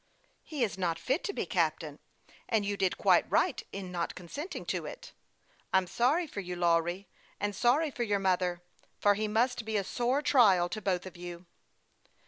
" He is not fit to be captain ; and you did quite right in not consenting to it. I'm sorry for you, Lawry, and sorry for your mother, for he must be a sore trial to both of you."